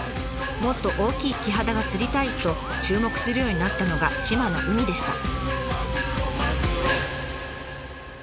もっと大きいキハダが釣りたいと注目するようになったのが志摩の海でした。